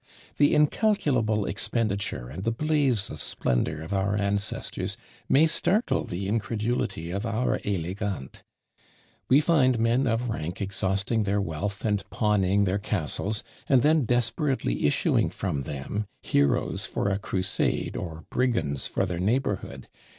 The incalculable expenditure and the blaze of splendour of our ancestors may startle the incredulity of our élégantes. We find men of rank exhausting their wealth and pawning their castles, and then desperately issuing from them, heroes for a crusade, or brigands for their neighbourhood!